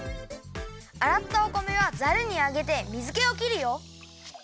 あらったお米はザルにあげて水けを切るよ。